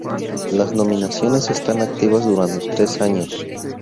Las nominaciones están activas durante tres años.